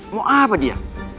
mau apa dia